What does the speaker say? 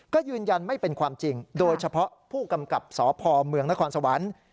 ก็ยืนยันไม่เป็นความจริงโดยเฉพาะผู้กำกับสพเมืองนครสวรรค์